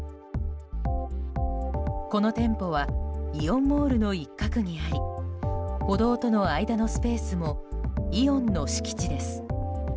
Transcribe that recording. この店舗はイオンモールの一角にあり歩道との間のスペースもイオンの敷地です。